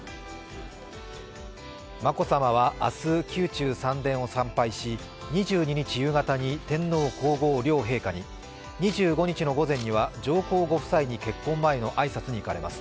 眞子さまは明日、宮中三殿を参拝し２２日夕方に天皇・皇后両陛下に２５日の午前には上皇ご夫妻に結婚前のご挨拶に行かれます。